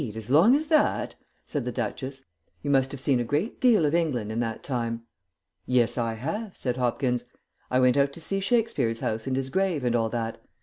As long as that?" said the Duchess. "You must have seen a great deal of England in that time." "Yes, I have," said Hopkins. "I went out to see Shakespeare's house and his grave and all that.